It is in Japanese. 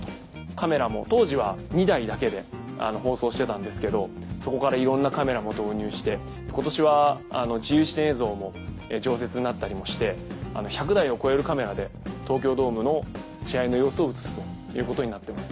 カメラも当時は２台だけで放送してたんですけどそこからいろんなカメラも導入して今年は自由視点映像も常設になったりもして１００台を超えるカメラで東京ドームの試合の様子を映すということになってます。